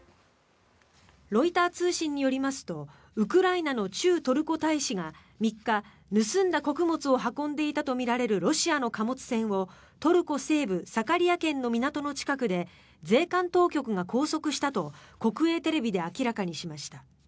ロイター通信によりますとウクライナの駐トルコ大使が３日盗んだ穀物を運んでいたとみられるロシアの貨物船をトルコ西部サカリヤ県の港の近くで税関当局が拘束したと国営テレビで明らかにしました。